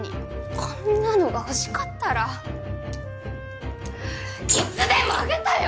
こんなのが欲しかったらいつでもあげたよ！